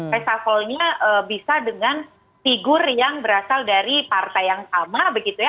reshufflenya bisa dengan figur yang berasal dari partai yang sama begitu ya